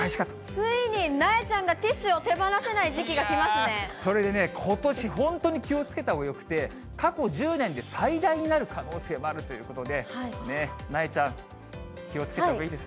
ついに、なえちゃんがティッそれでね、ことし本当に気をつけたほうがよくて、過去１０年で最大になる可能性もあるということで、なえちゃん、気をつけたほうがいいです